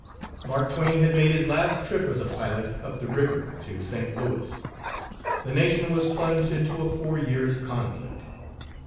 Mask Twain had made his last trip as a pilot up the river to St. Louis the nation was plunged into a four years' conflict.